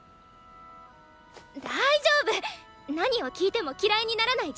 大丈夫何を聞いても嫌いにならない